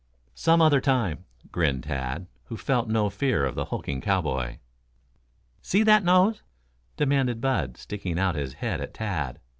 "Some other time," grinned Tad, who felt no fear of the hulking cowboy. "See that nose?" demanded Bud, sticking out his head at Tad.